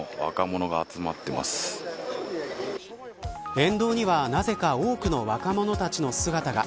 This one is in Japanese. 沿道にはなぜか多くの若者たちの姿が。